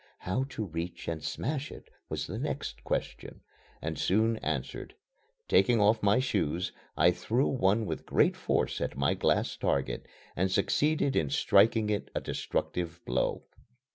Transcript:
How to reach and smash it was the next question and soon answered. Taking off my shoes, I threw one with great force at my glass target and succeeded in striking it a destructive blow.